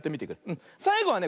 さいごはね